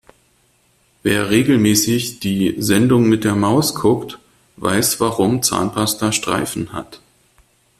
Wer regelmäßig die Sendung mit der Maus guckt, weiß warum Zahnpasta Streifen hat.